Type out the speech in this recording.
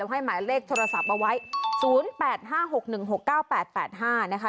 ให้หมายเลขโทรศัพท์เอาไว้๐๘๕๖๑๖๙๘๘๕นะคะ